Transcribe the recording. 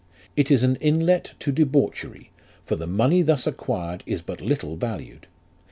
It is an inlet to debauchery, for the money thus acquired is but little valued.